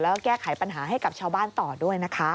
แล้วก็แก้ไขปัญหาให้กับชาวบ้านต่อด้วยนะคะ